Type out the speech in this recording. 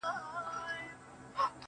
پرون مي ستا په ياد كي شپه رڼه كړه.